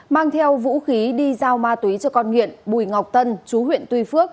mang theo vũ khí đi giao ma túy cho con nghiện bùi ngọc tân chú huyện tuy phước